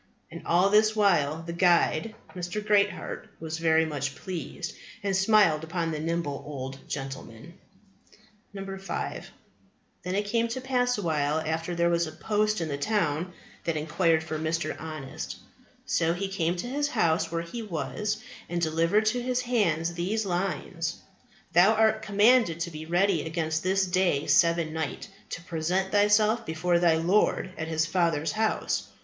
And all this while the guide, Mr. Greatheart, was very much pleased, and smiled upon the nimble old gentleman. 5. "Then it came to pass a while after that there was a post in the town that inquired for Mr. Honest. So he came to his house where he was, and delivered to his hands these lines, Thou art commanded to be ready against this day seven night, to present thyself before thy Lord at His Father's house.